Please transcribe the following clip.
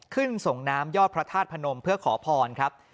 ส่งน้ำยอดพระธาตุพนมเพื่อขอพรครับ